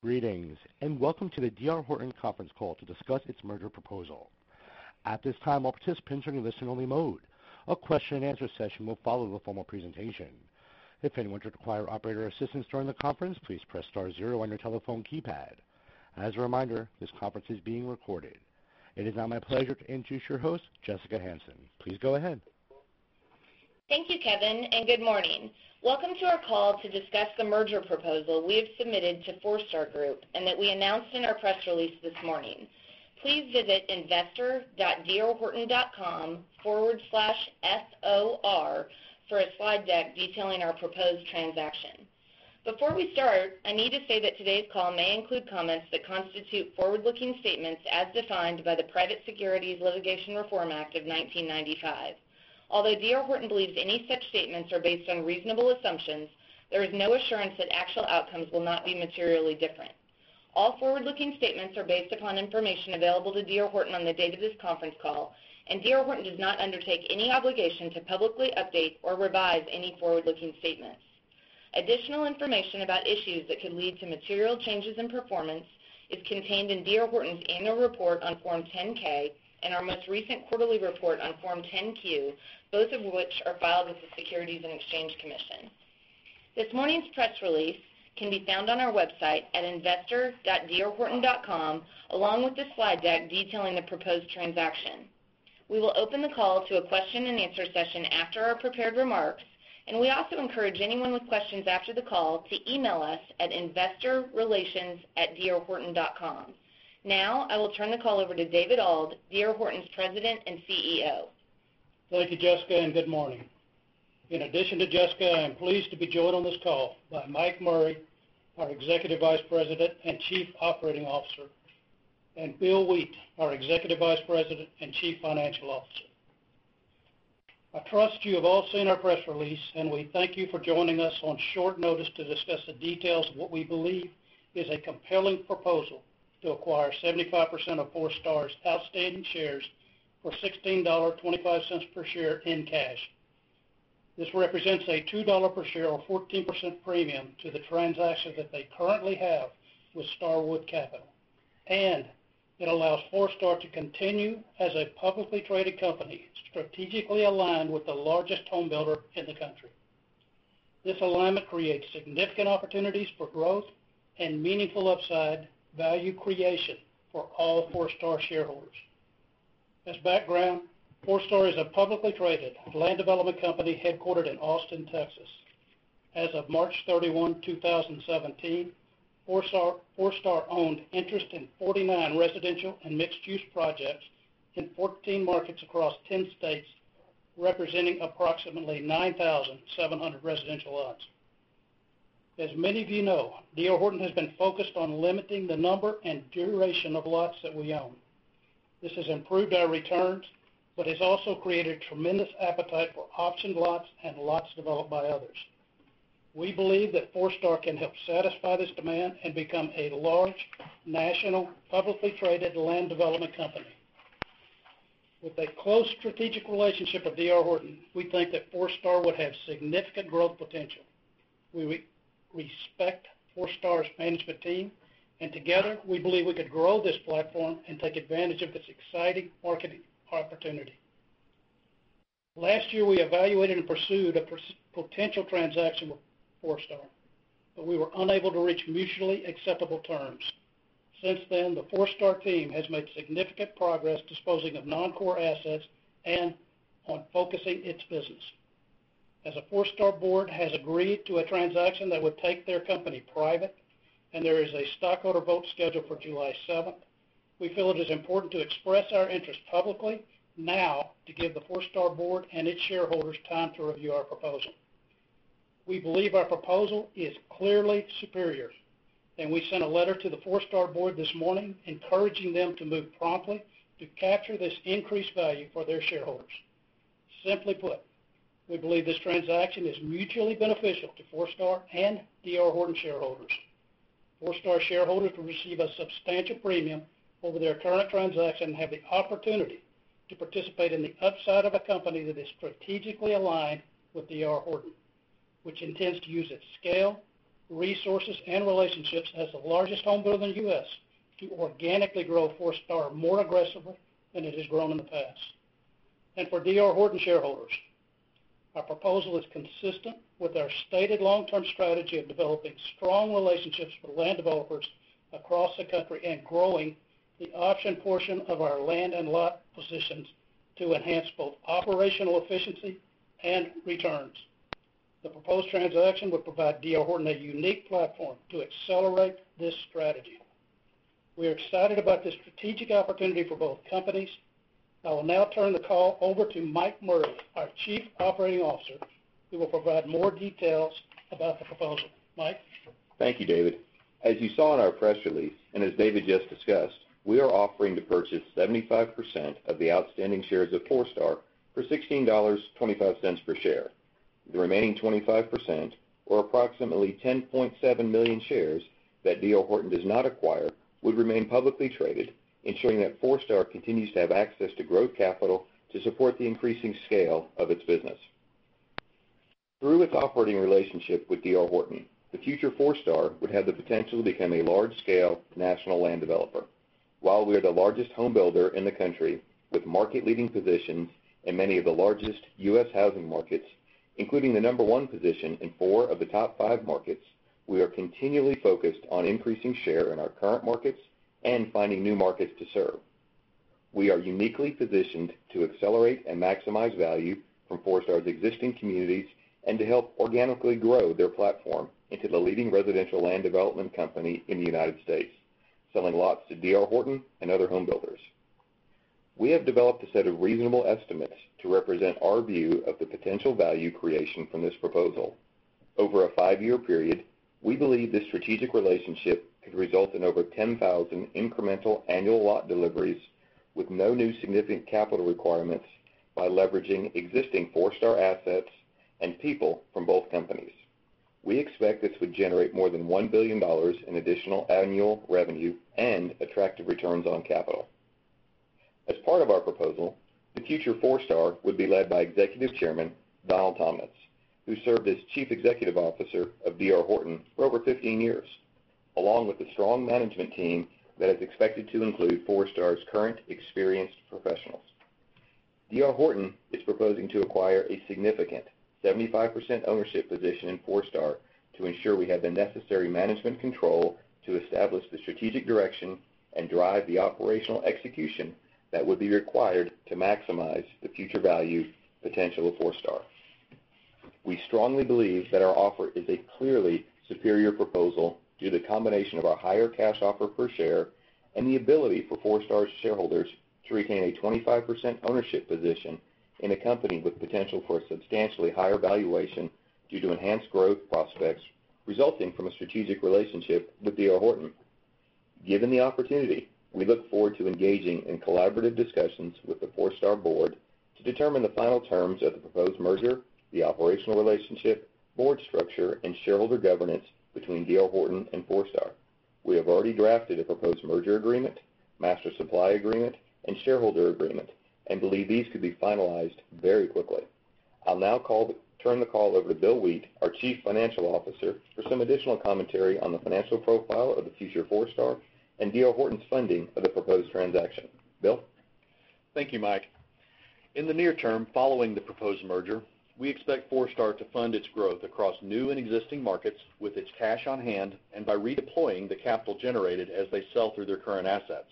Greetings, welcome to the D.R. Horton conference call to discuss its merger proposal. At this time, all participants are in listen only mode. A question and answer session will follow the formal presentation. If anyone should require operator assistance during the conference, please press star zero on your telephone keypad. As a reminder, this conference is being recorded. It is now my pleasure to introduce your host, Jessica Hansen. Please go ahead. Thank you, Kevin, good morning. Welcome to our call to discuss the merger proposal we have submitted to Forestar Group, that we announced in our press release this morning. Please visit investor.drhorton.com/FOR for a slide deck detailing our proposed transaction. Before we start, I need to say that today's call may include comments that constitute forward-looking statements as defined by the Private Securities Litigation Reform Act of 1995. Although D.R. Horton believes any such statements are based on reasonable assumptions, there is no assurance that actual outcomes will not be materially different. All forward-looking statements are based upon information available to D.R. Horton on the date of this conference call, D.R. Horton does not undertake any obligation to publicly update or revise any forward-looking statements. Additional information about issues that could lead to material changes in performance is contained in D.R. Horton's annual report on Form 10-K, our most recent quarterly report on Form 10-Q, both of which are filed with the Securities and Exchange Commission. This morning's press release can be found on our website at investor.drhorton.com, along with the slide deck detailing the proposed transaction. We will open the call to a question and answer session after our prepared remarks, we also encourage anyone with questions after the call to email us at investorrelations@drhorton.com. Now, I will turn the call over to David Auld, D.R. Horton's President and CEO. Thank you, Jessica, good morning. In addition to Jessica, I am pleased to be joined on this call by Mike Murray, our Executive Vice President and Chief Operating Officer, Bill Wheat, our Executive Vice President and Chief Financial Officer. I trust you have all seen our press release, we thank you for joining us on short notice to discuss the details of what we believe is a compelling proposal to acquire 75% of Forestar's outstanding shares for $16.25 per share in cash. This represents a $2 per share or 14% premium to the transaction that they currently have with Starwood Capital, it allows Forestar to continue as a publicly traded company, strategically aligned with the largest home builder in the country. This alignment creates significant opportunities for growth and meaningful upside value creation for all Forestar shareholders. As background, Forestar is a publicly traded land development company headquartered in Austin, Texas. As of March 31, 2017, Forestar owned interest in 49 residential and mixed-use projects in 14 markets across 10 states, representing approximately 9,700 residential lots. As many of you know, D.R. Horton has been focused on limiting the number and duration of lots that we own. This has improved our returns, but has also created tremendous appetite for option lots and lots developed by others. We believe that Forestar can help satisfy this demand and become a large, national, publicly traded land development company. With a close strategic relationship with D.R. Horton, we think that Forestar would have significant growth potential. We respect Forestar's management team, and together we believe we could grow this platform and take advantage of this exciting market opportunity. Last year, we evaluated and pursued a potential transaction with Forestar, but we were unable to reach mutually acceptable terms. Since then, the Forestar team has made significant progress disposing of non-core assets and on focusing its business. As the Forestar board has agreed to a transaction that would take their company private, and there is a stockholder vote scheduled for July 7th, we feel it is important to express our interest publicly now to give the Forestar board and its shareholders time to review our proposal. We believe our proposal is clearly superior, and we sent a letter to the Forestar board this morning encouraging them to move promptly to capture this increased value for their shareholders. Simply put, we believe this transaction is mutually beneficial to Forestar and D.R. Horton shareholders. Forestar shareholders will receive a substantial premium over their current transaction and have the opportunity to participate in the upside of a company that is strategically aligned with D.R. Horton, which intends to use its scale, resources, and relationships as the largest home builder in the U.S. to organically grow Forestar more aggressively than it has grown in the past. For D.R. Horton shareholders, our proposal is consistent with our stated long-term strategy of developing strong relationships with land developers across the country and growing the option portion of our land and lot positions to enhance both operational efficiency and returns. The proposed transaction would provide D.R. Horton a unique platform to accelerate this strategy. We are excited about this strategic opportunity for both companies. I will now turn the call over to Mike Murray, our Chief Operating Officer, who will provide more details about the proposal. Mike? Thank you, David. As you saw in our press release, and as David just discussed, we are offering to purchase 75% of the outstanding shares of Forestar for $16.25 per share. The remaining 25%, or approximately 10.7 million shares that D.R. Horton does not acquire, would remain publicly traded, ensuring that Forestar continues to have access to growth capital to support the increasing scale of its business. Through its operating relationship with D.R. Horton, the future Forestar would have the potential to become a large-scale national land developer. While we are the largest home builder in the country, with market-leading positions in many of the largest U.S. housing markets, including the number 1 position in four of the top 5 markets, we are continually focused on increasing share in our current markets and finding new markets to serve. We are uniquely positioned to accelerate and maximize value from Forestar's existing communities, and to help organically grow their platform into the leading residential land development company in the United States, selling lots to D.R. Horton and other home builders. We have developed a set of reasonable estimates to represent our view of the potential value creation from this proposal. Over a five-year period, we believe this strategic relationship could result in over 10,000 incremental annual lot deliveries with no new significant capital requirements by leveraging existing Forestar assets and people from both companies. We expect this would generate more than $1 billion in additional annual revenue and attractive returns on capital. As part of our proposal, the future Forestar would be led by Executive Chairman Donald Tomnitz, who served as Chief Executive Officer of D.R. Horton for over 15 years, along with a strong management team that is expected to include Forestar's current experienced professionals. D.R. Horton is proposing to acquire a significant 75% ownership position in Forestar to ensure we have the necessary management control to establish the strategic direction and drive the operational execution that would be required to maximize the future value potential of Forestar. We strongly believe that our offer is a clearly superior proposal due to the combination of our higher cash offer per share and the ability for Forestar shareholders to retain a 25% ownership position in a company with potential for a substantially higher valuation due to enhanced growth prospects resulting from a strategic relationship with D.R. Horton. Given the opportunity, we look forward to engaging in collaborative discussions with the Forestar board to determine the final terms of the proposed merger, the operational relationship, board structure, and shareholder governance between D.R. Horton and Forestar. We have already drafted a proposed merger agreement, master supply agreement, and shareholder agreement, and believe these could be finalized very quickly. I'll now turn the call over to Bill Wheat, our Chief Financial Officer, for some additional commentary on the financial profile of the future Forestar and D.R. Horton's funding of the proposed transaction. Bill? Thank you, Mike. In the near term, following the proposed merger, we expect Forestar to fund its growth across new and existing markets with its cash on hand, and by redeploying the capital generated as they sell through their current assets.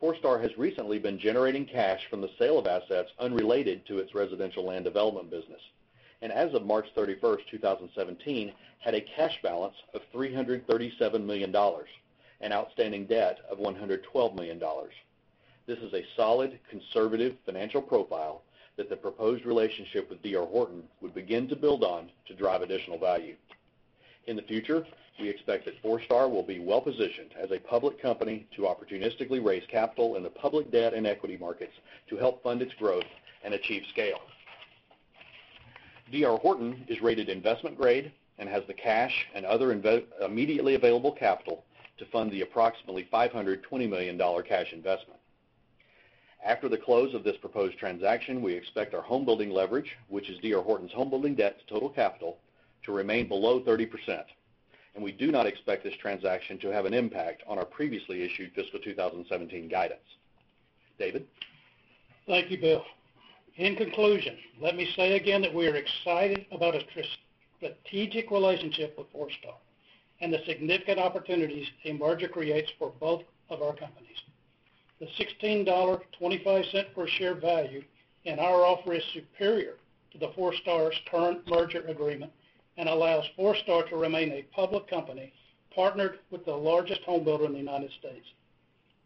Forestar has recently been generating cash from the sale of assets unrelated to its residential land development business, and as of March 31st, 2017, had a cash balance of $337 million and outstanding debt of $112 million. This is a solid, conservative financial profile that the proposed relationship with D.R. Horton would begin to build on to drive additional value. In the future, we expect that Forestar will be well-positioned as a public company to opportunistically raise capital in the public debt and equity markets to help fund its growth and achieve scale. D.R. Horton is rated investment grade and has the cash and other immediately available capital to fund the approximately $520 million cash investment. After the close of this proposed transaction, we expect our homebuilding leverage, which is D.R. Horton's homebuilding debt to total capital, to remain below 30%, and we do not expect this transaction to have an impact on our previously issued fiscal 2017 guidance. David? Thank you, Bill. In conclusion, let me say again that we are excited about a strategic relationship with Forestar and the significant opportunities the merger creates for both of our companies. The $16.25 per share value in our offer is superior to the Forestar's current merger agreement and allows Forestar to remain a public company partnered with the largest homebuilder in the United States.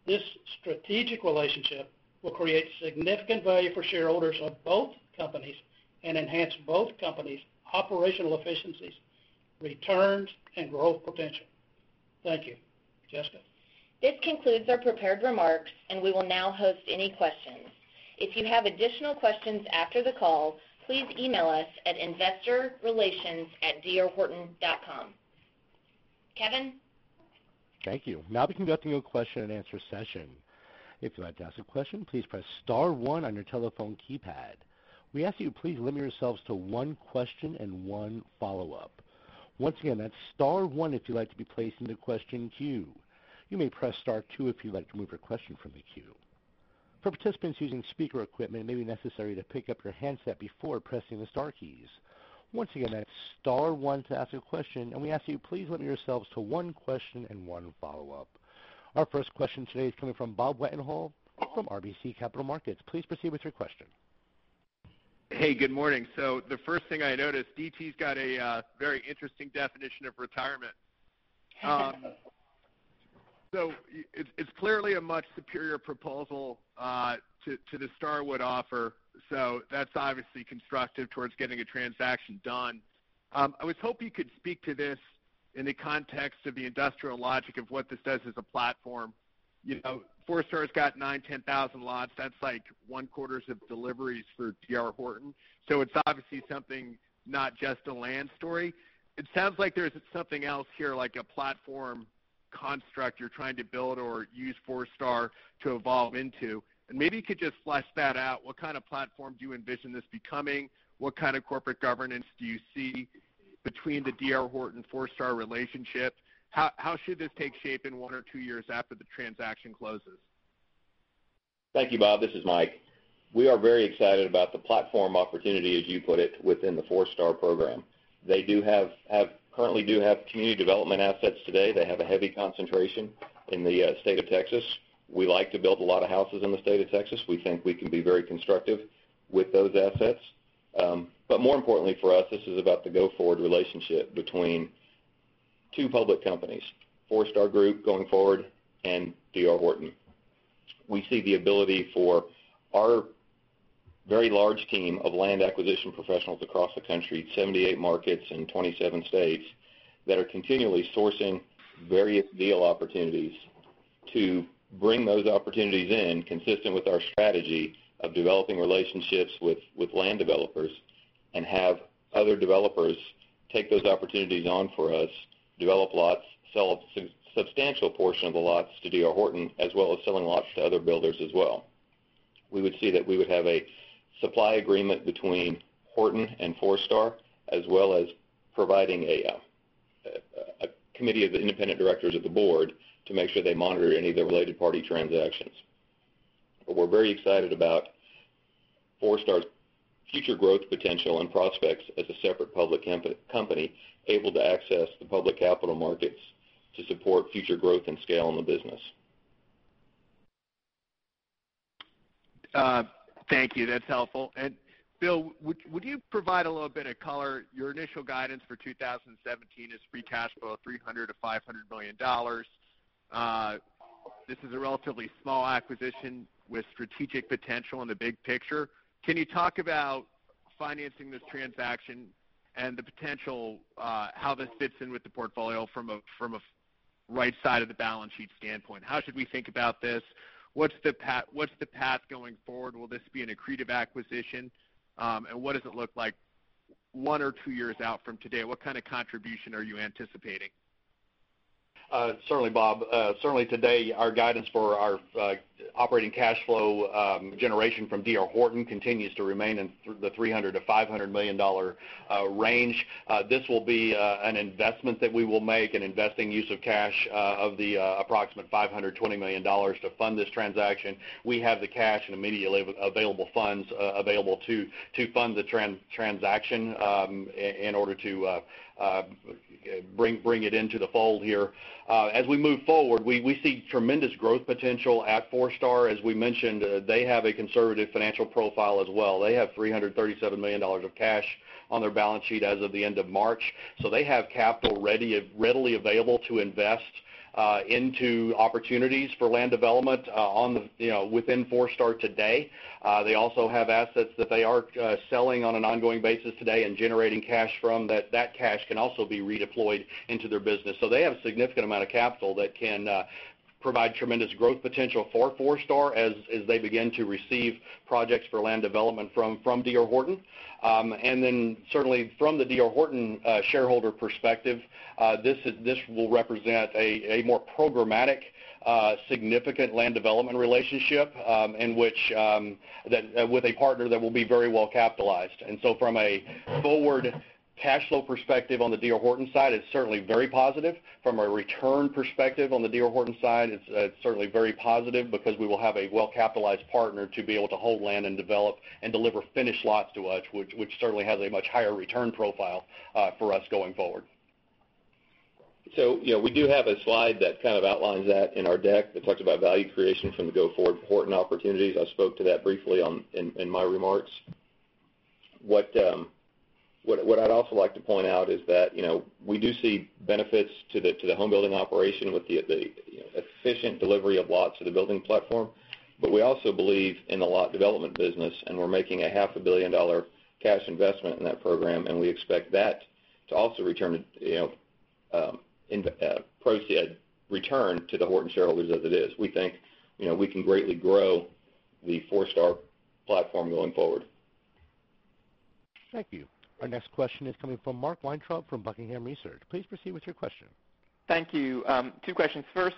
This strategic relationship will create significant value for shareholders of both companies and enhance both companies' operational efficiencies, returns, and growth potential. Thank you. Jessica? This concludes our prepared remarks. We will now host any questions. If you have additional questions after the call, please email us at investorrelations@drhorton.com. Kevin? Thank you. Our first question today is coming from Robert Wetenhall from RBC Capital Markets. Please proceed with your question. Hey, good morning. The first thing I noticed, DT's got a very interesting definition of retirement. It's clearly a much superior proposal to the Starwood offer, that's obviously constructive towards getting a transaction done. I was hoping you could speak to this in the context of the industrial logic of what this does as a platform. Forestar's got 9,000 or 10,000 lots. That's like one-quarters of deliveries for D.R. Horton. It's obviously something, not just a land story. It sounds like there's something else here, like a platform construct you're trying to build or use Forestar to evolve into, and maybe you could just flesh that out. What kind of platform do you envision this becoming? What kind of corporate governance do you see between the D.R. Horton-Forestar relationship? How should this take shape in one or two years after the transaction closes? Thank you, Bob. This is Mike. We are very excited about the platform opportunity, as you put it, within the Forestar program. They currently do have community development assets today. They have a heavy concentration in the state of Texas. We like to build a lot of houses in the state of Texas. We think we can be very constructive with those assets. More importantly for us, this is about the go-forward relationship between two public companies, Forestar Group, going forward, and D.R. Horton. We see the ability for our very large team of land acquisition professionals across the country, 78 markets in 27 states, that are continually sourcing various deal opportunities to bring those opportunities in consistent with our strategy of developing relationships with land developers and have other developers take those opportunities on for us, develop lots, sell a substantial portion of the lots to D.R. Horton, as well as selling lots to other builders as well. We would see that we would have a supply agreement between Horton and Forestar, as well as providing a committee of the independent directors of the board to make sure they monitor any of the related party transactions. We're very excited about Forestar's future growth potential and prospects as a separate public company able to access the public capital markets to support future growth and scale in the business. Thank you. That's helpful. Bill, would you provide a little bit of color, your initial guidance for 2017 is free cash flow of $300 million-$500 million. This is a relatively small acquisition with strategic potential in the big picture. Can you talk about financing this transaction and the potential, how this fits in with the portfolio from a right side of the balance sheet standpoint? How should we think about this? What's the path going forward? Will this be an accretive acquisition? What does it look like one or two years out from today? What kind of contribution are you anticipating? Certainly, Bob. Certainly today, our guidance for our operating cash flow generation from D.R. Horton continues to remain in the $300 million-$500 million range. This will be an investment that we will make, an investing use of cash of the approximate $520 million to fund this transaction. We have the cash and immediately available funds available to fund the transaction in order to bring it into the fold here. As we move forward, we see tremendous growth potential at Forestar. As we mentioned, they have a conservative financial profile as well. They have $337 million of cash on their balance sheet as of the end of March. They have capital readily available to invest into opportunities for land development within Forestar today. They also have assets that they are selling on an ongoing basis today and generating cash from, that cash can also be redeployed into their business. They have a significant amount of capital that can provide tremendous growth potential for Forestar as they begin to receive projects for land development from D.R. Horton. Certainly from the D.R. Horton shareholder perspective, this will represent a more programmatic, significant land development relationship with a partner that will be very well capitalized. From a forward cash flow perspective on the D.R. Horton side, it's certainly very positive. From a return perspective on the D.R. Horton side, it's certainly very positive because we will have a well-capitalized partner to be able to hold land and develop and deliver finished lots to us, which certainly has a much higher return profile for us going forward. We do have a slide that kind of outlines that in our deck that talks about value creation from the go-forward Horton opportunities. I spoke to that briefly in my remarks. What I'd also like to point out is that we do see benefits to the home building operation with the efficient delivery of lots to the building platform. We also believe in the lot development business, and we're making a half a billion dollar cash investment in that program, and we expect that to also return to the Horton shareholders as it is. We think we can greatly grow the Forestar platform going forward. Thank you. Our next question is coming from Mark Weintraub from Buckingham Research. Please proceed with your question. Thank you. Two questions. First,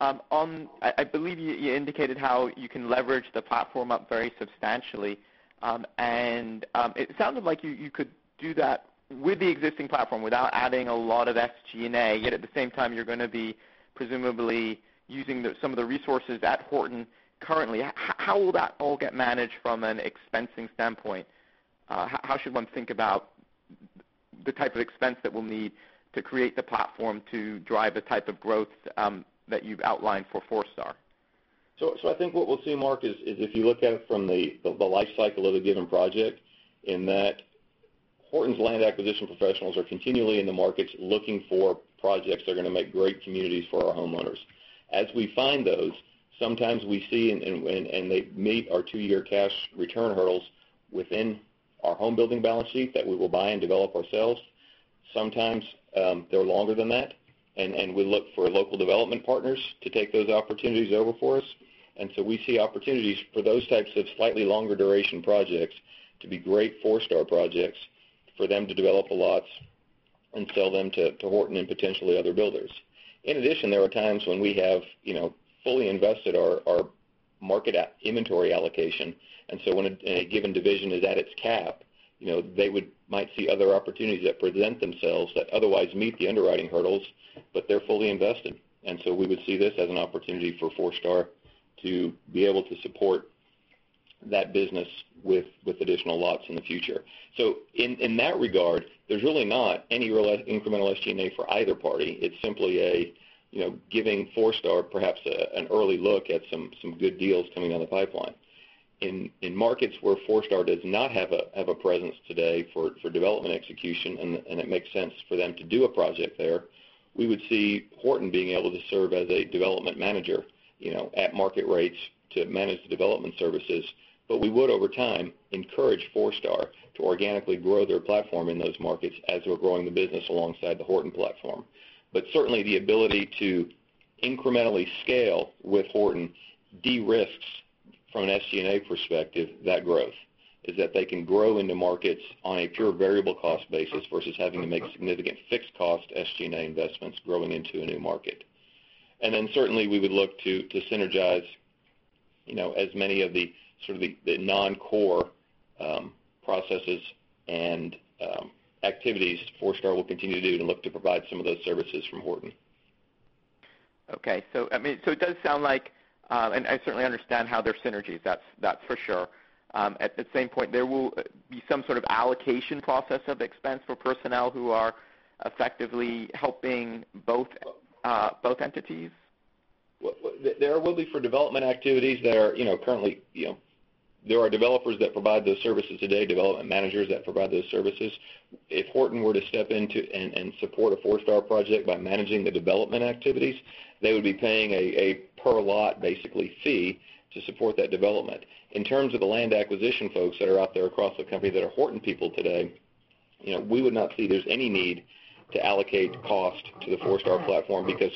I believe you indicated how you can leverage the platform up very substantially, and it sounded like you could do that with the existing platform without adding a lot of SG&A, yet at the same time you're going to be presumably using some of the resources at Horton currently. How will that all get managed from an expensing standpoint? How should one think about the type of expense that we'll need to create the platform to drive the type of growth that you've outlined for Forestar? I think what we'll see, Mark, is if you look at it from the life cycle of a given project, in that Horton's land acquisition professionals are continually in the markets looking for projects that are going to make great communities for our homeowners. As we find those, sometimes we see and they meet our two-year cash return hurdles within our home building balance sheet that we will buy and develop ourselves. Sometimes they're longer than that, and we look for local development partners to take those opportunities over for us. We see opportunities for those types of slightly longer duration projects to be great Forestar projects for them to develop the lots and sell them to Horton and potentially other builders. In addition, there are times when we have fully invested our market inventory allocation. When a given division is at its cap, they might see other opportunities that present themselves that otherwise meet the underwriting hurdles, but they're fully invested. We would see this as an opportunity for Forestar to be able to support that business with additional lots in the future. In that regard, there's really not any real incremental SG&A for either party. It's simply giving Forestar perhaps an early look at some good deals coming down the pipeline. In markets where Forestar does not have a presence today for development execution, and it makes sense for them to do a project there, we would see Horton being able to serve as a development manager at market rates to manage the development services. We would, over time, encourage Forestar to organically grow their platform in those markets as we're growing the business alongside the Horton platform. Certainly the ability to incrementally scale with Horton, de-risks from an SG&A perspective that growth, is that they can grow into markets on a pure variable cost basis versus having to make significant fixed cost SG&A investments growing into a new market. Certainly we would look to synergize as many of the sort of the non-core processes and activities Forestar will continue to do to look to provide some of those services from Horton. Okay. It does sound like, and I certainly understand how they're synergies, that's for sure. At the same point, there will be some sort of allocation process of expense for personnel who are effectively helping both entities? There will be for development activities that are currently, there are developers that provide those services today, development managers that provide those services. If Horton were to step in and support a Forestar project by managing the development activities, they would be paying a per lot, basically, fee to support that development. In terms of the land acquisition folks that are out there across the company that are Horton people today, we would not see there's any need to allocate cost to the Forestar platform because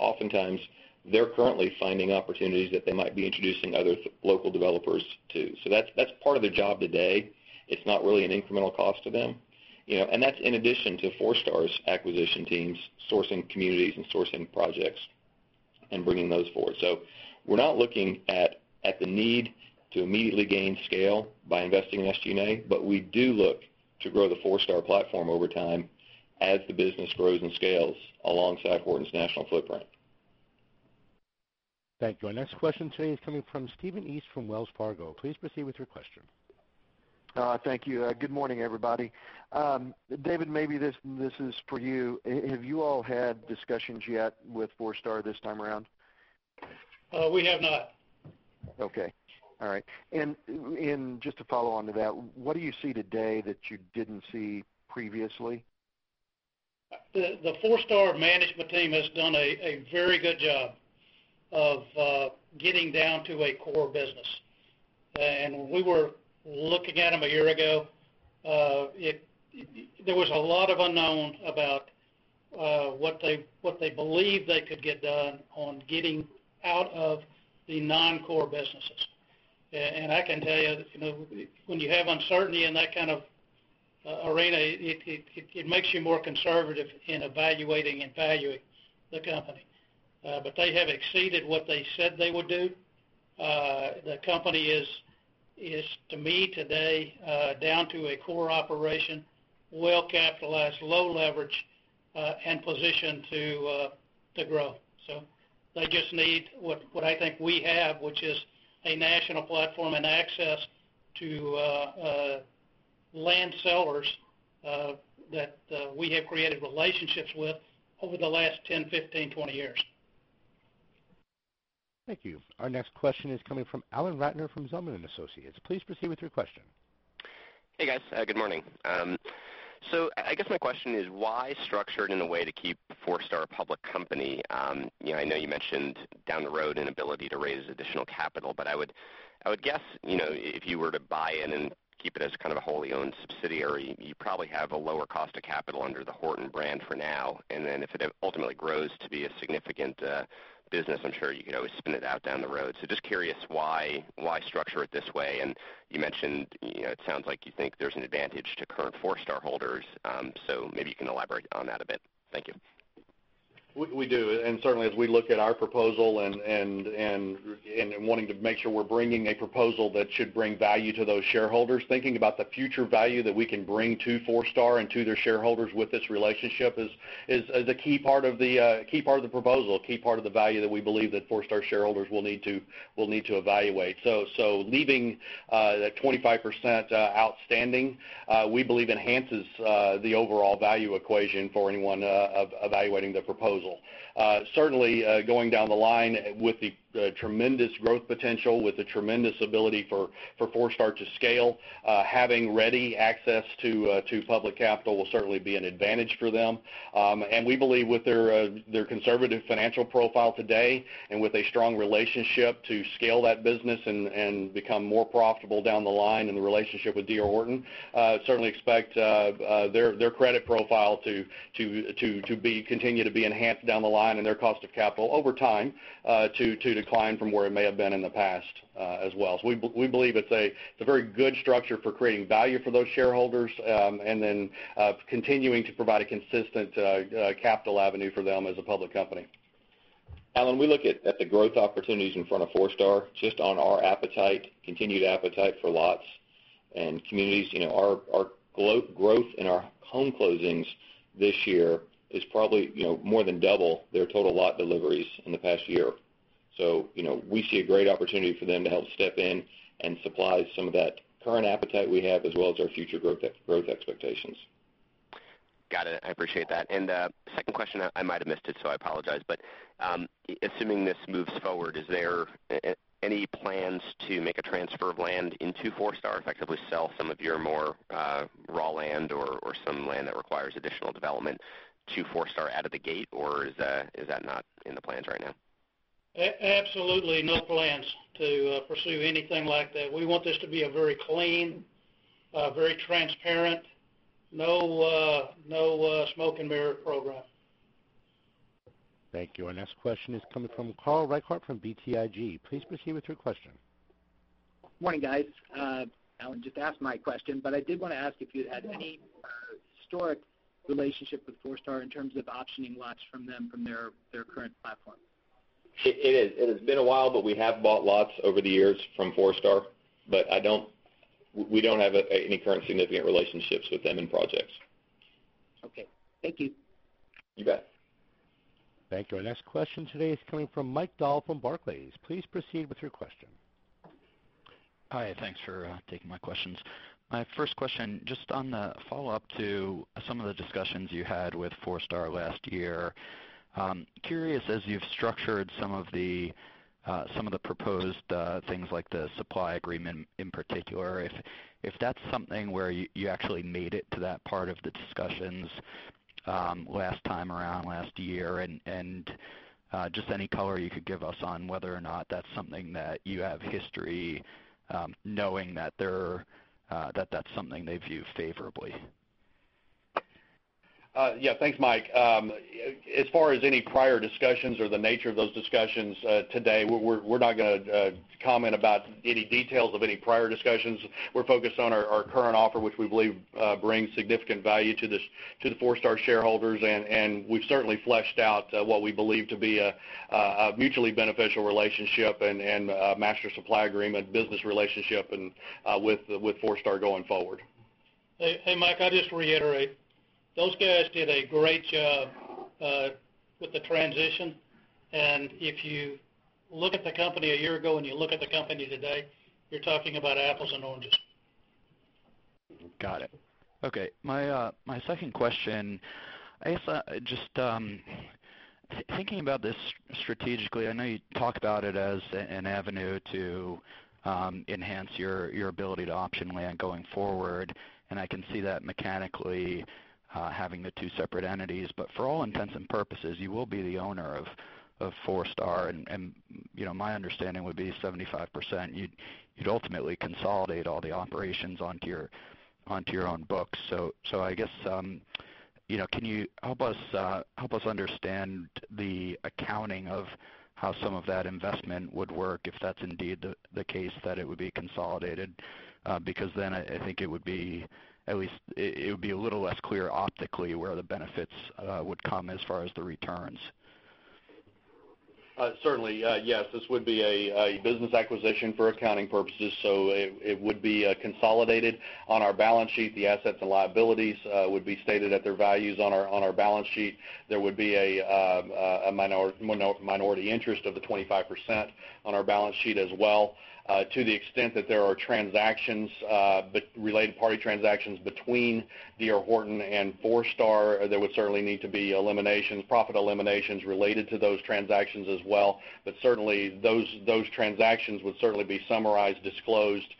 oftentimes they're currently finding opportunities that they might be introducing other local developers to. That's part of their job today. It's not really an incremental cost to them. That's in addition to Forestar's acquisition teams sourcing communities and sourcing projects and bringing those forward. We're not looking at the need to immediately gain scale by investing in SG&A, but we do look to grow the Forestar platform over time as the business grows and scales alongside Horton's national footprint. Thank you. Our next question today is coming from Stephen East from Wells Fargo. Please proceed with your question. Thank you. Good morning, everybody. David, maybe this is for you. Have you all had discussions yet with Forestar this time around? We have not. Okay. All right. Just to follow on to that, what do you see today that you didn't see previously? The Forestar management team has done a very good job of getting down to a core business. When we were looking at them a year ago, there was a lot of unknown about what they believed they could get done on getting out of the non-core businesses. I can tell you, when you have uncertainty in that kind of arena, it makes you more conservative in evaluating and valuing the company. They have exceeded what they said they would do. The company is, to me today, down to a core operation, well-capitalized, low leverage, and positioned to grow. They just need what I think we have, which is a national platform and access to land sellers that we have created relationships with over the last 10, 15, 20 years. Thank you. Our next question is coming from Alan Ratner from Zelman & Associates. Please proceed with your question. Hey, guys. Good morning. I guess my question is why structure it in a way to keep Forestar a public company? I know you mentioned down the road an ability to raise additional capital, but I would guess, if you were to buy in and keep it as kind of a wholly owned subsidiary, you probably have a lower cost of capital under the Horton brand for now. If it ultimately grows to be a significant business, I'm sure you could always spin it out down the road. Just curious why structure it this way? You mentioned, it sounds like you think there's an advantage to current Forestar holders, so maybe you can elaborate on that a bit. Thank you. We do, and certainly as we look at our proposal and wanting to make sure we're bringing a proposal that should bring value to those shareholders, thinking about the future value that we can bring to Forestar and to their shareholders with this relationship is the key part of the proposal, a key part of the value that we believe that Forestar shareholders will need to evaluate. Leaving that 25% outstanding, we believe enhances the overall value equation for anyone evaluating the proposal. Going down the line with the tremendous growth potential, with the tremendous ability for Forestar to scale, having ready access to public capital will certainly be an advantage for them. We believe with their conservative financial profile today and with a strong relationship to scale that business and become more profitable down the line in the relationship with D.R. Horton, certainly expect their credit profile to continue to be enhanced down the line and their cost of capital over time to decline from where it may have been in the past as well. We believe it's a very good structure for creating value for those shareholders and then continuing to provide a consistent capital avenue for them as a public company. Alan, we look at the growth opportunities in front of Forestar just on our continued appetite for lots and communities. Our growth in our home closings this year is probably more than double their total lot deliveries in the past year. We see a great opportunity for them to help step in and supply some of that current appetite we have, as well as our future growth expectations. Got it. I appreciate that. The second question, I might have missed it, so I apologize, but assuming this moves forward, is there any plans to make a transfer of land into Forestar, effectively sell some of your more raw land or some land that requires additional development to Forestar out of the gate, or is that not in the plans right now? Absolutely no plans to pursue anything like that. We want this to be a very clean, very transparent, no smoke and mirror program. Thank you. Our next question is coming from Carl Reichardt from BTIG. Please proceed with your question. Morning, guys. Alan just asked my question, but I did want to ask if you'd had any historic relationship with Forestar in terms of optioning lots from them from their current platform. It has been a while, but we have bought lots over the years from Forestar, but we don't have any current significant relationships with them in projects. Okay. Thank you. You bet. Thank you. Our next question today is coming from Michael Dahl from Barclays. Please proceed with your question. Hi, thanks for taking my questions. My first question, just on the follow-up to some of the discussions you had with Forestar last year. Curious, as you've structured some of the proposed things like the supply agreement in particular, if that's something where you actually made it to that part of the discussions last time around last year, and just any color you could give us on whether or not that's something that you have history, knowing that that's something they view favorably. Yeah. Thanks, Mike. As far as any prior discussions or the nature of those discussions, today, we're not going to comment about any details of any prior discussions. We're focused on our current offer, which we believe brings significant value to the Forestar shareholders, and we've certainly fleshed out what we believe to be a mutually beneficial relationship and a master supply agreement business relationship with Forestar going forward. Hey, Mike, I just reiterate, those guys did a great job with the transition, and if you look at the company a year ago, and you look at the company today, you're talking about apples and oranges. Got it. Okay. My second question, I guess, just thinking about this strategically, I know you talked about it as an avenue to enhance your ability to option land going forward. I can see that mechanically having the two separate entities. For all intents and purposes, you will be the owner of Forestar, and my understanding would be 75%. You'd ultimately consolidate all the operations onto your own books. I guess, can you help us understand the accounting of how some of that investment would work, if that's indeed the case, that it would be consolidated? I think it would be a little less clear optically where the benefits would come as far as the returns. Certainly. Yes. This would be a business acquisition for accounting purposes, so it would be consolidated on our balance sheet. The assets and liabilities would be stated at their values on our balance sheet. There would be a minority interest of the 25% on our balance sheet as well. To the extent that there are related party transactions between D.R. Horton and Forestar, there would certainly need to be profit eliminations related to those transactions as well. Certainly, those transactions would certainly be summarized, disclosed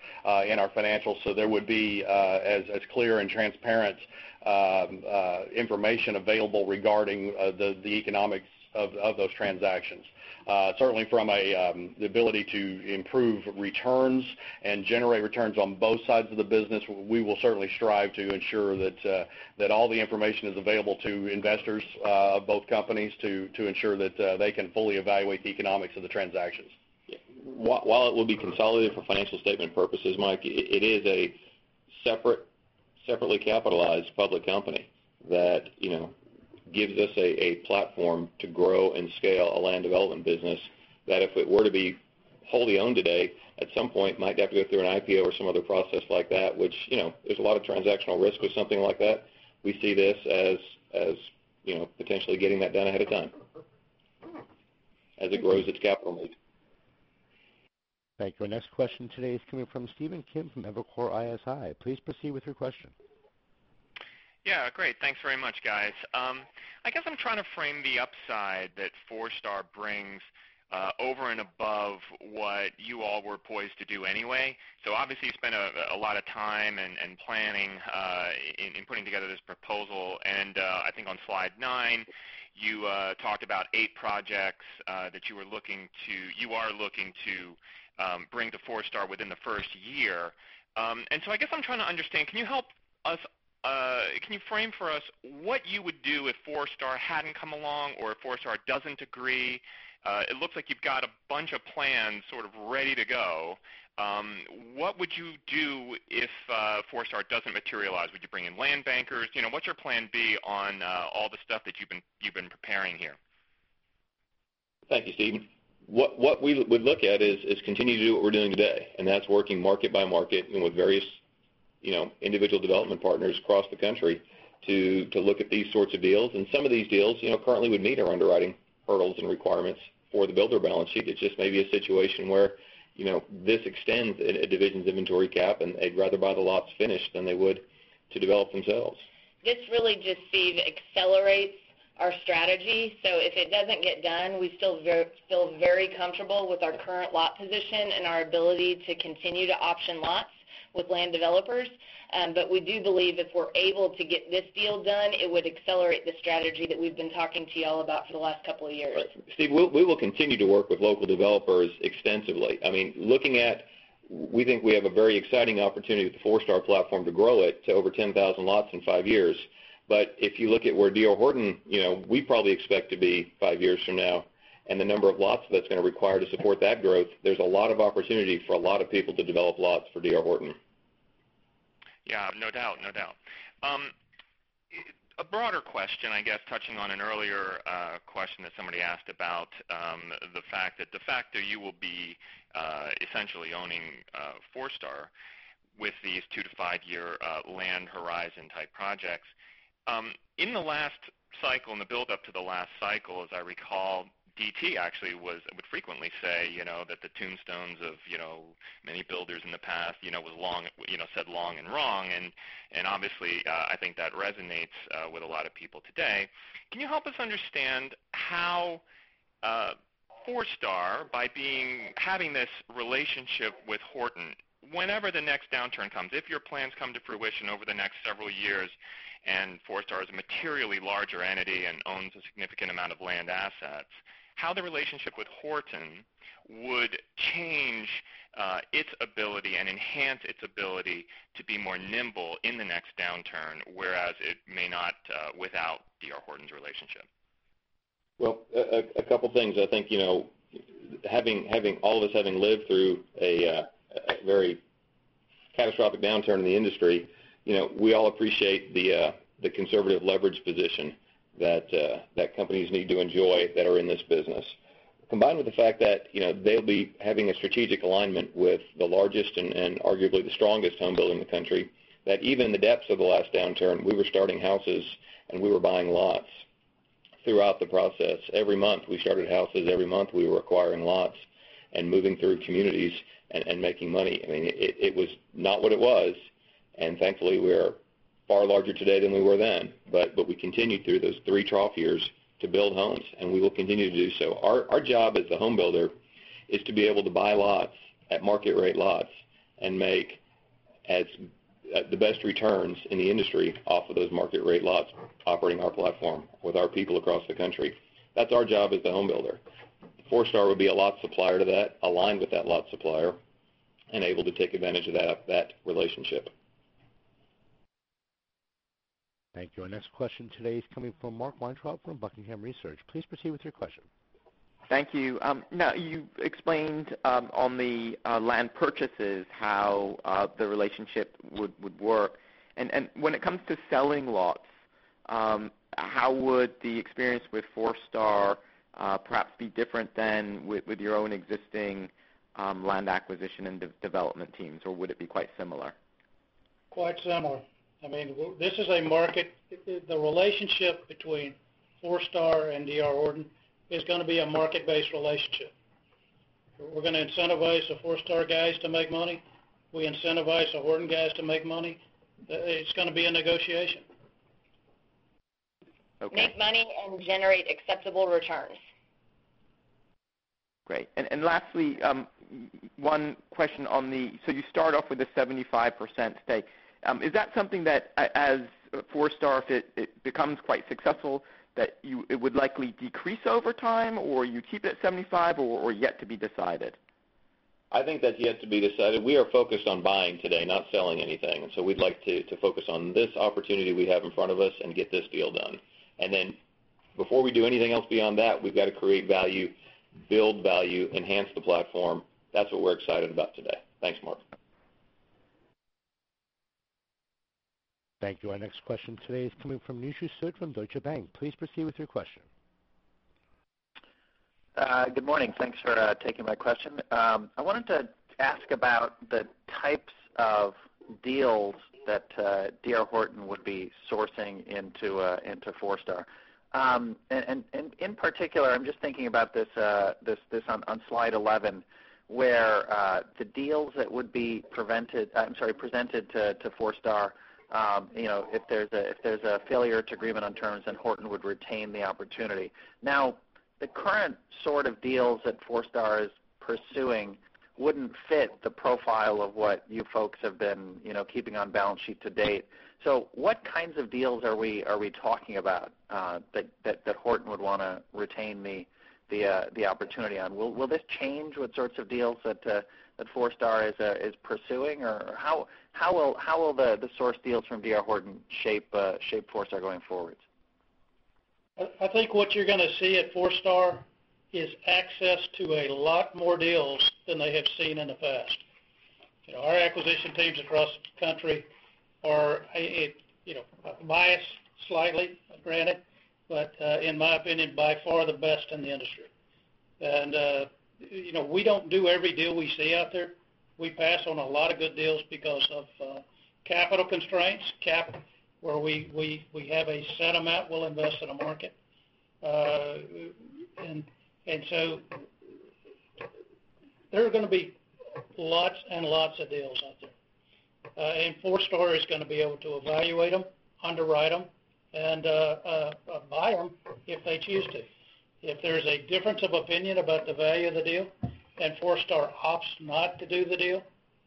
in our financials. There would be as clear and transparent information available regarding the economics of those transactions. Certainly, from the ability to improve returns and generate returns on both sides of the business, we will certainly strive to ensure that all the information is available to investors of both companies to ensure that they can fully evaluate the economics of the transactions. While it will be consolidated for financial statement purposes, Mike, it is a separately capitalized public company that gives us a platform to grow and scale a land development business that if it were to be wholly owned today, at some point might have to go through an IPO or some other process like that, which there's a lot of transactional risk with something like that. We see this as potentially getting that done ahead of time as it grows its capital need. Thank you. Our next question today is coming from Stephen Kim from Evercore ISI. Please proceed with your question. Yeah, great. Thanks very much, guys. I guess I'm trying to frame the upside that Forestar brings over and above what you all were poised to do anyway. Obviously, you spent a lot of time and planning in putting together this proposal, and I think on slide nine, you talked about eight projects that you are looking to bring to Forestar within the first year. I guess I'm trying to understand, can you frame for us what you would do if Forestar hadn't come along, or if Forestar doesn't agree? It looks like you've got a bunch of plans sort of ready to go. What would you do if Forestar doesn't materialize? Would you bring in land bankers? What's your plan B on all the stuff that you've been preparing here? Thank you, Stephen. What we would look at is continue to do what we're doing today, that's working market by market and with various individual development partners across the country to look at these sorts of deals. Some of these deals currently would meet our underwriting hurdles and requirements for the builder balance sheet. It just may be a situation where this extends a division's inventory cap, and they'd rather buy the lots finished than they would to develop themselves. This really just, Steve, accelerates our strategy. If it doesn't get done, we feel very comfortable with our current lot position and our ability to continue to option lots with land developers. We do believe if we're able to get this deal done, it would accelerate the strategy that we've been talking to you all about for the last couple of years. Right. Steve, we will continue to work with local developers extensively. We think we have a very exciting opportunity with the Forestar platform to grow it to over 10,000 lots in five years. If you look at where D.R. Horton, we probably expect to be five years from now and the number of lots that's going to require to support that growth, there's a lot of opportunity for a lot of people to develop lots for D.R. Horton. Yeah, no doubt. A broader question, I guess, touching on an earlier question that somebody asked about the fact that you will be essentially owning Forestar with these two-to-five-year land horizon type projects. In the last cycle, in the build up to the last cycle, as I recall, DT actually would frequently say that the tombstones of many builders in the past said long and wrong, and obviously, I think that resonates with a lot of people today. Can you help us understand how Forestar, by having this relationship with Horton, whenever the next downturn comes, if your plans come to fruition over the next several years and Forestar is a materially larger entity and owns a significant amount of land assets, how the relationship with Horton would change its ability and enhance its ability to be more nimble in the next downturn, whereas it may not without D.R. Horton's relationship? Well, a couple of things. I think, all of us having lived through a very catastrophic downturn in the industry, we all appreciate the conservative leverage position that companies need to enjoy that are in this business. Combined with the fact that they'll be having a strategic alignment with the largest and arguably the strongest home builder in the country, that even in the depths of the last downturn, we were starting houses and we were buying lots throughout the process. Every month, we started houses. Every month, we were acquiring lots and moving through communities and making money. It was not what it was, and thankfully, we are far larger today than we were then. We continued through those three trough years to build homes, and we will continue to do so. Our job as the home builder is to be able to buy lots at market-rate lots and make the best returns in the industry off of those market-rate lots, operating our platform with our people across the country. That's our job as the home builder. Forestar would be a lot supplier to that, aligned with that lot supplier, and able to take advantage of that relationship. Thank you. Our next question today is coming from Mark Weintraub from Buckingham Research. Please proceed with your question. Thank you. You explained on the land purchases how the relationship would work. When it comes to selling lots, how would the experience with Forestar perhaps be different than with your own existing land acquisition and development teams, or would it be quite similar? Quite similar. The relationship between Forestar and D.R. Horton is going to be a market-based relationship. We're going to incentivize the Forestar guys to make money. We incentivize the Horton guys to make money. It's going to be a negotiation. Okay. Make money and generate acceptable returns. Great. Lastly, one question. You start off with a 75% stake. Is that something that as Forestar, if it becomes quite successful, that it would likely decrease over time, or you keep it at 75%, or yet to be decided? I think that's yet to be decided. We are focused on buying today, not selling anything. We'd like to focus on this opportunity we have in front of us and get this deal done. Before we do anything else beyond that, we've got to create value, build value, enhance the platform. That's what we're excited about today. Thanks, Mark. Thank you. Our next question today is coming from Nishu Sood from Deutsche Bank. Please proceed with your question. Good morning. Thanks for taking my question. I wanted to ask about the types of deals that D.R. Horton would be sourcing into Forestar. In particular, I'm just thinking about this on slide 11, where the deals that would be presented to Forestar, if there's a failure to agreement on terms, then Horton would retain the opportunity. The current sort of deals that Forestar is pursuing wouldn't fit the profile of what you folks have been keeping on balance sheet to date. What kinds of deals are we talking about that Horton would want to retain the opportunity on? Will this change what sorts of deals that Forestar is pursuing, or how will the sourced deals from D.R. Horton shape Forestar going forward? I think what you're going to see at Forestar is access to a lot more deals than they have seen in the past. Our acquisition teams across the country are, biased slightly, granted, but in my opinion, by far the best in the industry. We don't do every deal we see out there. We pass on a lot of good deals because of capital constraints, where we have a set amount we'll invest in a market. There are going to be lots and lots of deals out there. Forestar is going to be able to evaluate them, underwrite them, and buy them if they choose to. If there's a difference of opinion about the value of the deal and Forestar opts not to do the deal,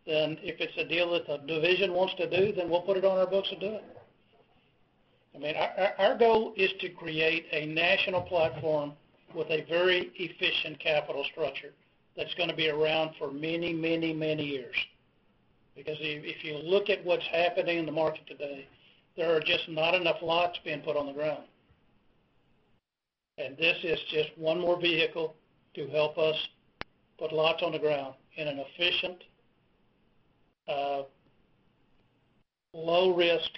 then if it's a deal that the division wants to do, then we'll put it on our books and do it. Our goal is to create a national platform with a very efficient capital structure that's going to be around for many years. If you look at what's happening in the market today, there are just not enough lots being put on the ground. This is just one more vehicle to help us put lots on the ground in an efficient, low-risk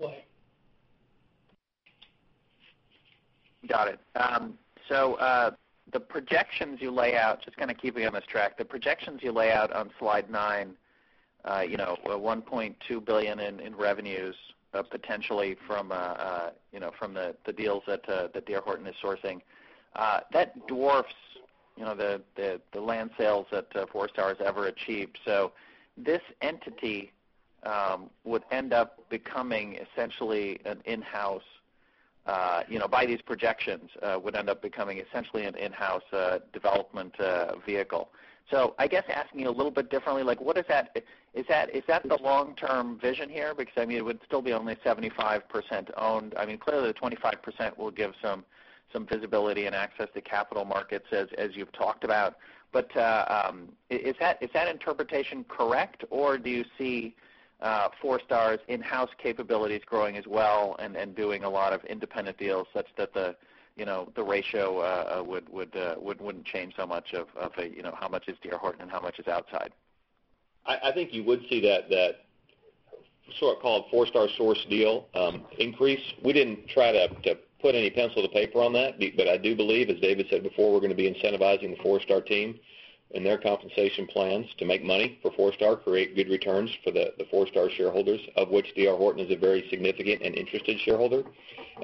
way. Got it. The projections you lay out, just kind of keeping on this track, the projections you lay out on slide nine, the $1.2 billion in revenues, potentially from the deals that D.R. Horton is sourcing, that dwarfs the land sales that Forestar has ever achieved. This entity would end up becoming essentially an in-house, by these projections, would end up becoming essentially an in-house development vehicle. I guess asking a little bit differently, is that the long-term vision here? Because it would still be only 75% owned. Clearly the 25% will give some visibility and access to capital markets as you've talked about. But is that interpretation correct, or do you see Forestar's in-house capabilities growing as well and doing a lot of independent deals such that the ratio wouldn't change so much of how much is D.R. Horton and how much is outside? I think you would see that sort of called Forestar sourced deal increase. We didn't try to put any pencil to paper on that. I do believe, as David said before, we're going to be incentivizing the Forestar team and their compensation plans to make money for Forestar, create good returns for the Forestar shareholders, of which D.R. Horton is a very significant and interested shareholder.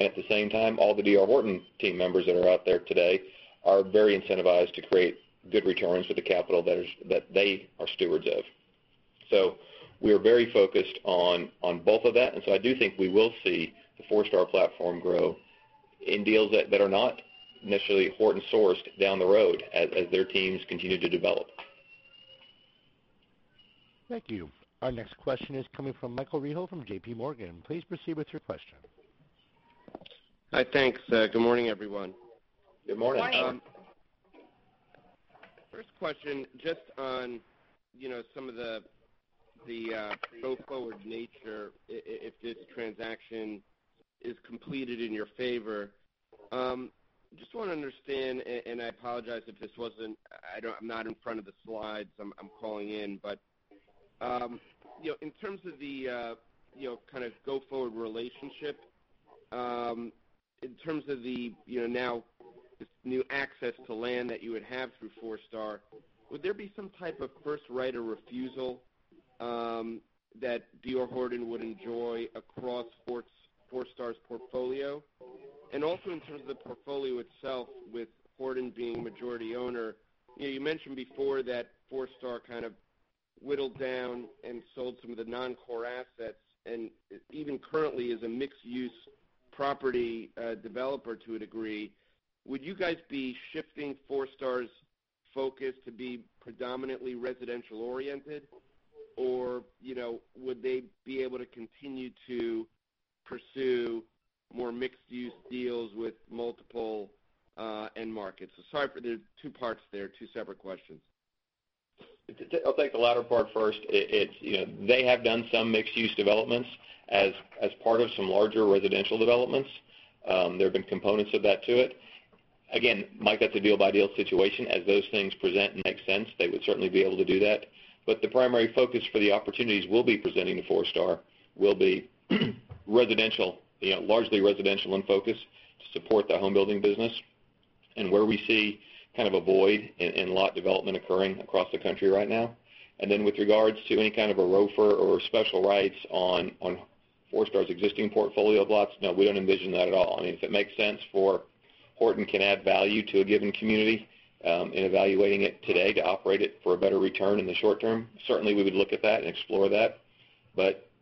At the same time, all the D.R. Horton team members that are out there today are very incentivized to create good returns for the capital that they are stewards of. We are very focused on both of that, I do think we will see the Forestar platform grow in deals that are not necessarily Horton-sourced down the road as their teams continue to develop. Thank you. Our next question is coming from Michael Rehaut from J.P. Morgan. Please proceed with your question. Hi, thanks. Good morning, everyone. Good morning. Morning. First question, just on some of the go-forward nature, if this transaction is completed in your favor. Just want to understand, and I apologize if this wasn't I'm not in front of the slides, I'm calling in, but in terms of the kind of go-forward relationship, in terms of the now this new access to land that you would have through Forestar, would there be some type of first right of refusal that D.R. Horton would enjoy across Forestar's portfolio? Also in terms of the portfolio itself with Horton being majority owner, you mentioned before that Forestar kind of whittled down and sold some of the non-core assets and even currently is a mixed-use property developer to a degree. Would you guys be shifting Forestar's focus to be predominantly residential-oriented? Would they be able to continue to pursue more mixed-use deals with multiple end markets? Sorry for the two parts there, two separate questions. I'll take the latter part first. They have done some mixed-use developments as part of some larger residential developments. There have been components of that to it. Again, Mike, that's a deal-by-deal situation. As those things present and make sense, they would certainly be able to do that. The primary focus for the opportunities we'll be presenting to Forestar will be residential, largely residential in focus to support the home building business, and where we see kind of a void in lot development occurring across the country right now. With regards to any kind of a ROFR or special rights on Forestar's existing portfolio blocks, no, we don't envision that at all. If it makes sense for Horton can add value to a given community in evaluating it today to operate it for a better return in the short term, certainly we would look at that and explore that.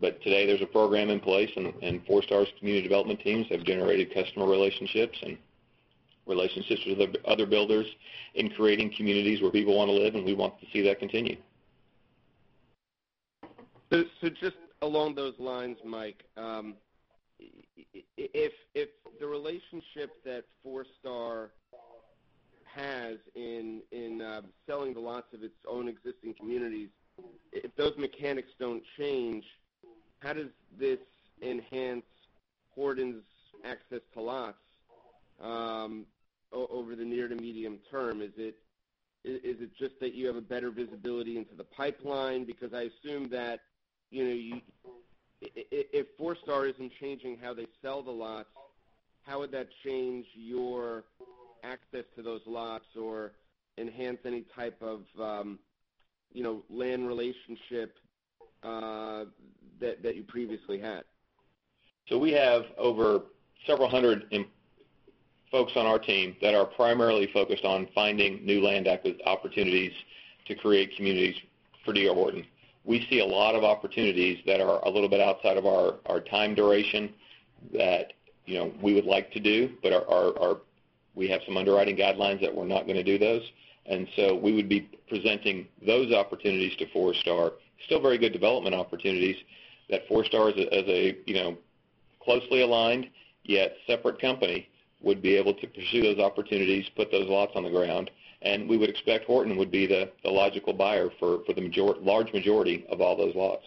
Today there's a program in place, Forestar's community development teams have generated customer relationships and relationships with other builders in creating communities where people want to live, We want to see that continue. Just along those lines, Mike, if the relationship that Forestar has in selling the lots of its own existing communities, if those mechanics don't change, how does this enhance Horton's access to lots over the near to medium term? Is it just that you have a better visibility into the pipeline? I assume that, if Forestar isn't changing how they sell the lots, how would that change your access to those lots or enhance any type of land relationship that you previously had? We have over several hundred folks on our team that are primarily focused on finding new land acquisition opportunities to create communities for D.R. Horton. We see a lot of opportunities that are a little bit outside of our time duration that we would like to do, We have some underwriting guidelines that we're not going to do those. We would be presenting those opportunities to Forestar. Still very good development opportunities that Forestar as a closely aligned, yet separate company, would be able to pursue those opportunities, put those lots on the ground, We would expect Horton would be the logical buyer for the large majority of all those lots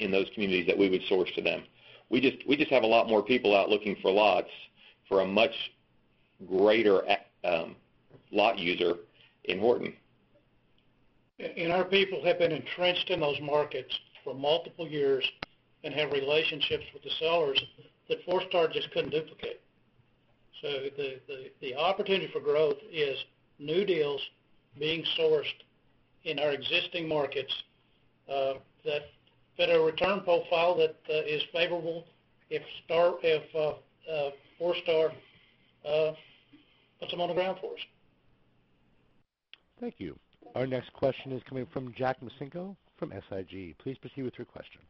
in those communities that we would source to them. We just have a lot more people out looking for lots for a much greater lot user in Horton. Our people have been entrenched in those markets for multiple years and have relationships with the sellers that Forestar just couldn't duplicate. The opportunity for growth is new deals being sourced in our existing markets that have a return profile that is favorable if Forestar puts them on the ground for us. Thank you. Our next question is coming from Jack Micenko from SIG. Please proceed with your question.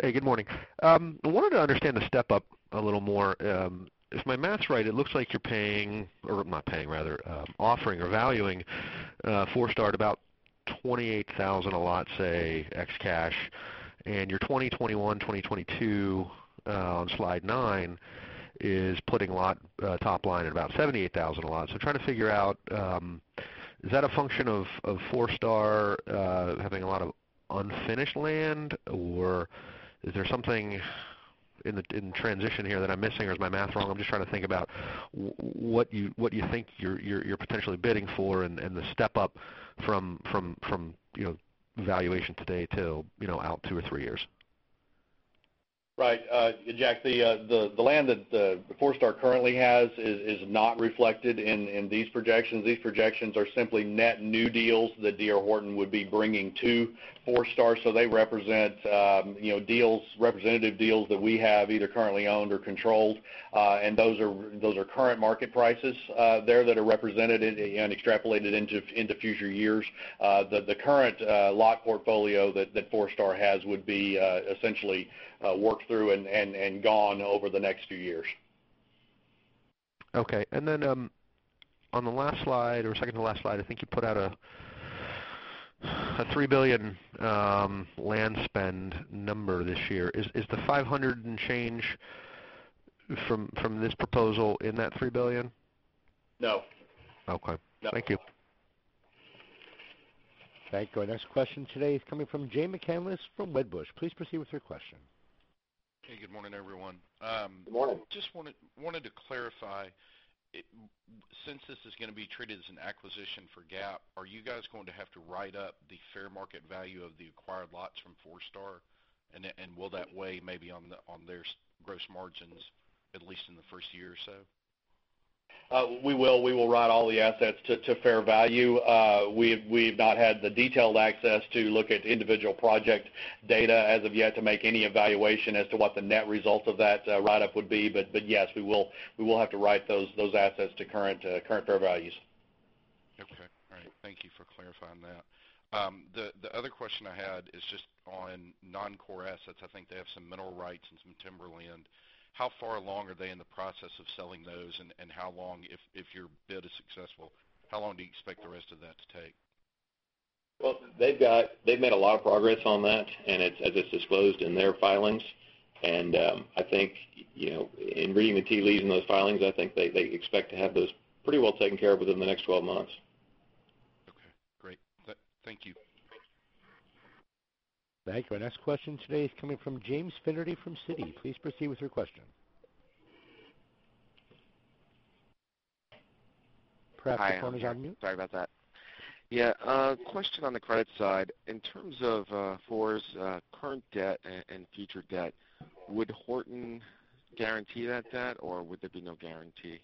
Hey, good morning. I wanted to understand the step-up a little more. If my math's right, it looks like you're paying, or not paying, rather offering or valuing Forestar at about $28,000 a lot, say, ex cash, and your 2021, 2022 on slide nine is putting top line at about $78,000 a lot. Trying to figure out, is that a function of Forestar having a lot of unfinished land, or is there something in transition here that I'm missing, or is my math wrong? I'm just trying to think about what you think you're potentially bidding for and the step-up from valuation today till out two or three years. Right. Jack, the land that Forestar currently has is not reflected in these projections. These projections are simply net new deals that D.R. Horton would be bringing to Forestar, so they represent representative deals that we have either currently owned or controlled. Those are current market prices there that are represented and extrapolated into future years. The current lot portfolio that Forestar has would be essentially worked through and gone over the next few years. Okay. Then on the last slide, or second-to-last slide, I think you put out a $3 billion land spend number this year. Is the 500 and change from this proposal in that $3 billion? No. Okay. Thank you. Thank you. Our next question today is coming from Jay McCanless from Wedbush. Please proceed with your question. Hey, good morning, everyone. Good morning. Just wanted to clarify, since this is going to be treated as an acquisition for GAAP, are you guys going to have to write up the fair market value of the acquired lots from Forestar? Will that weigh maybe on their gross margins, at least in the first year or so? We will write all the assets to fair value. We have not had the detailed access to look at individual project data as of yet to make any evaluation as to what the net result of that write-up would be. Yes, we will have to write those assets to current fair values. Okay. All right. Thank you for clarifying that. The other question I had is just on non-core assets. I think they have some mineral rights and some timberland. How far along are they in the process of selling those, and how long, if your bid is successful, how long do you expect the rest of that to take? Well, they've made a lot of progress on that, and as it's disclosed in their filings, and reading the tea leaves in those filings, I think they expect to have those pretty well taken care of within the next 12 months. Okay, great. Thank you. Thank you. Our next question today is coming from James Finnerty from Citi. Please proceed with your question. Perhaps Mr. Finnerty's on mute. Sorry about that. A question on the credit side. In terms of Forestar's current debt and future debt, would Horton guarantee that debt, or would there be no guarantee?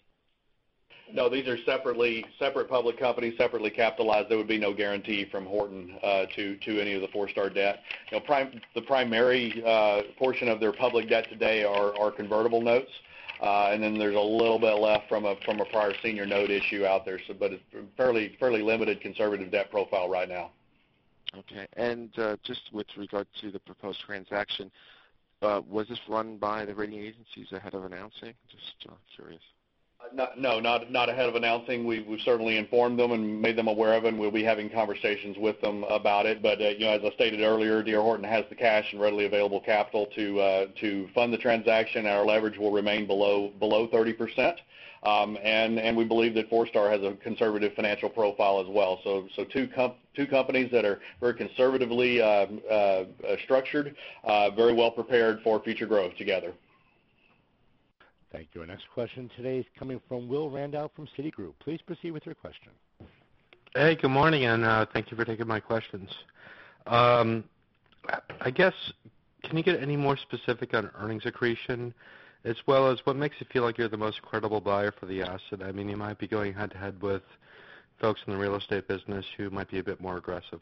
No, these are separate public companies, separately capitalized. There would be no guarantee from Horton to any of the Forestar debt. The primary portion of their public debt today are convertible notes, and then there's a little bit left from a prior senior note issue out there, but it's fairly limited conservative debt profile right now. Okay. Just with regard to the proposed transaction, was this run by the rating agencies ahead of announcing? Just curious. No, not ahead of announcing. We certainly informed them and made them aware of it, we'll be having conversations with them about it. As I stated earlier, D.R. Horton has the cash and readily available capital to fund the transaction, and our leverage will remain below 30%. We believe that Forestar has a conservative financial profile as well. Two companies that are very conservatively structured, very well prepared for future growth together. Thank you. Our next question today is coming from Will Randall from Citigroup. Please proceed with your question. Hey, good morning, thank you for taking my questions. Can you get any more specific on earnings accretion, as well as what makes you feel like you're the most credible buyer for the asset? You might be going head-to-head with folks in the real estate business who might be a bit more aggressive.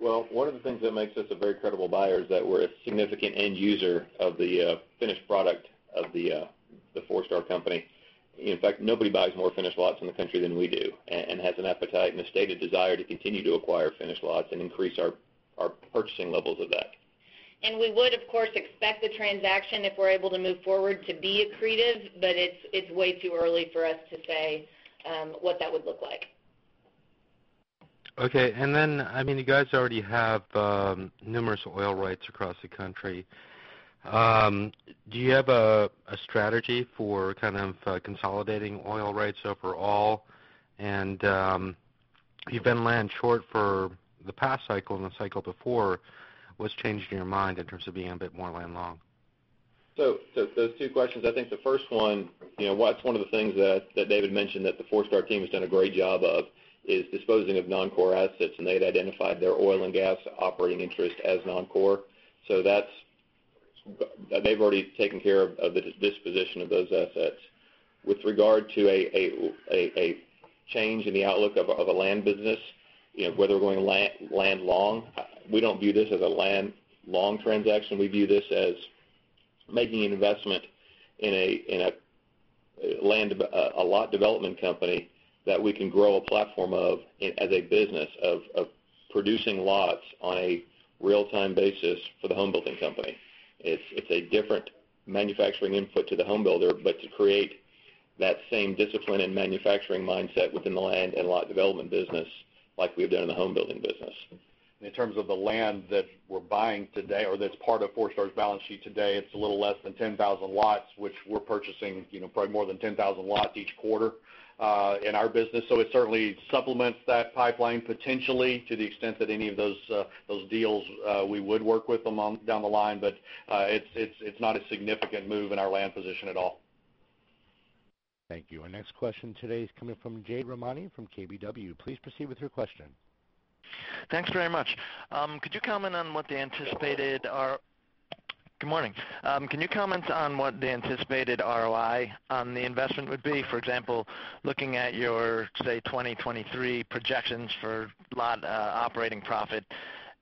Well, one of the things that makes us a very credible buyer is that we're a significant end user of the finished product of the Forestar company. In fact, nobody buys more finished lots in the country than we do and has an appetite and a stated desire to continue to acquire finished lots and increase our purchasing levels of that. We would, of course, expect the transaction, if we're able to move forward, to be accretive, but it's way too early for us to say what that would look like. Okay. You guys already have numerous lot rights across the country. Do you have a strategy for consolidating lot rights overall? You've been land short for the past cycle and the cycle before. What's changed in your mind in terms of being a bit more land long? Those two questions, I think the first one, that's one of the things that David mentioned that the Forestar team has done a great job of, is disposing of non-core assets, and they'd identified their oil and gas operating interest as non-core. They've already taken care of the disposition of those assets. With regard to a change in the outlook of a land business, whether we're going land long, we don't view this as a land long transaction. We view this as making an investment in a lot development company that we can grow a platform of as a business of producing lots on a real-time basis for the home building company. It's a different manufacturing input to the home builder, but to create that same discipline and manufacturing mindset within the land and lot development business, like we've done in the home building business. In terms of the land that we're buying today, or that's part of Forestar's balance sheet today, it's a little less than 10,000 lots, which we're purchasing probably more than 10,000 lots each quarter in our business. It certainly supplements that pipeline potentially to the extent that any of those deals we would work with them on down the line. It's not a significant move in our land position at all. Thank you. Our next question today is coming from Jade Rahmani from KBW. Please proceed with your question. Thanks very much. Could you comment on what the anticipated ROI on the investment would be? For example, looking at your, say, 2023 projections for lot operating profit,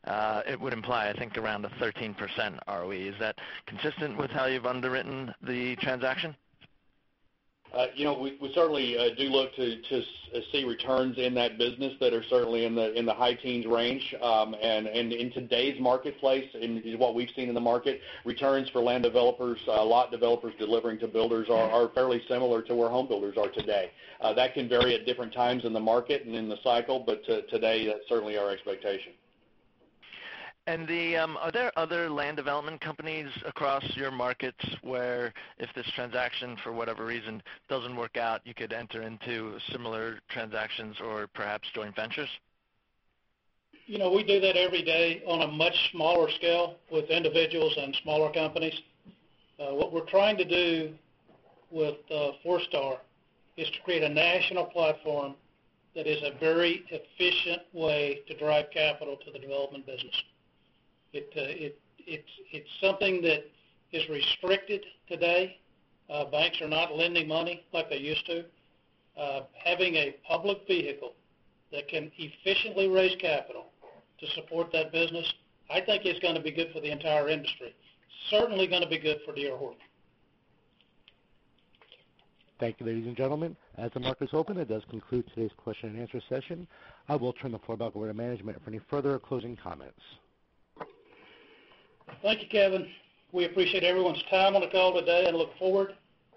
it would imply, I think, around a 13% ROE. Is that consistent with how you've underwritten the transaction? We certainly do look to see returns in that business that are certainly in the high teens range. In today's marketplace, in what we've seen in the market, returns for land developers, lot developers delivering to builders are fairly similar to where home builders are today. That can vary at different times in the market and in the cycle, but today, that's certainly our expectation. Are there other land development companies across your markets where if this transaction, for whatever reason, doesn't work out, you could enter into similar transactions or perhaps joint ventures? We do that every day on a much smaller scale with individuals and smaller companies. What we're trying to do with Forestar is to create a national platform that is a very efficient way to drive capital to the development business. It's something that is restricted today. Banks are not lending money like they used to. Having a public vehicle that can efficiently raise capital to support that business, I think is going to be good for the entire industry. Certainly going to be good for D.R. Horton. Thank you, ladies and gentlemen. As the markets open, that does conclude today's question and answer session. I will turn the floor back over to management for any further closing comments. Thank you, Kevin. We appreciate everyone's time on the call today and look forward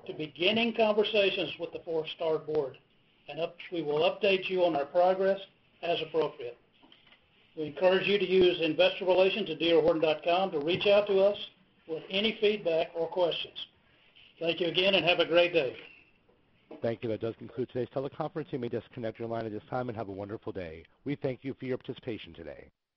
to beginning conversations with the Forestar board. We will update you on our progress as appropriate. We encourage you to use investorrelations@drhorton.com to reach out to us with any feedback or questions. Thank you again, and have a great day. Thank you. That does conclude today's teleconference. You may disconnect your line at this time, and have a wonderful day. We thank you for your participation today.